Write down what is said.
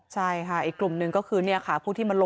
ใช่ค่ะอีกกลุ่มนึงก็คือนี่ค่ะ